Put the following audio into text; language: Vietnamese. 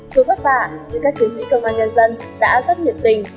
thương vất vả như các chiến sĩ công an nhân dân đã rất nhiệt tình